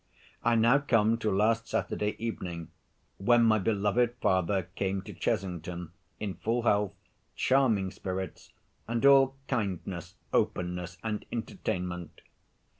I now come to last Saturday evening, when my beloved father came to Chesington, in full health, charming spirits, and all kindness, openness, and entertainment.